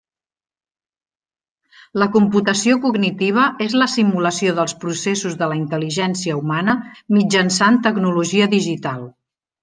La computació cognitiva és la simulació dels processos de la intel·ligència humana mitjançant tecnologia digital.